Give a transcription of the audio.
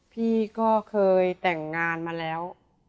พี่ก็เคยแต่งงานมาแล้ว